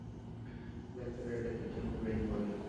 ডাক্তাররা এটাকে chemo brain বলে।